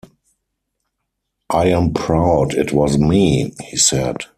I am proud it was me, he said.